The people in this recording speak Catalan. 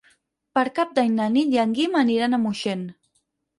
Per Cap d'Any na Nit i en Guim aniran a Moixent.